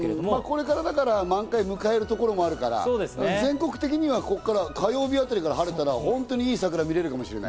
これから満開を迎えるところもあるから、全国的にはここから、火曜日あたりから晴れたら本当にいい桜が見られるかもしれない。